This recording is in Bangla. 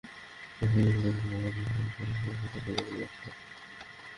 পুরোহিত রামকৃষ্ণ বাবুকে এখন পাহারা দিয়া বাড়ি থ্যাকি নিয়া আসতে হয়।